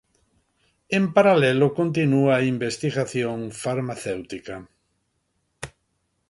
En paralelo continúa a investigación farmacéutica.